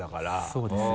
そうですね。